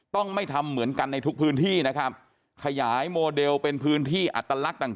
ต้องไม่ทำเหมือนกันในทุกพื้นที่นะครับขยายโมเดลเป็นพื้นที่อัตลักษณ์ต่าง